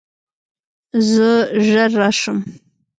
زه ژر راشم.